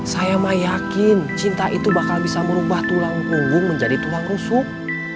saya mah yakin cinta itu bakal bisa merubah tulang punggung menjadi tulang rusuk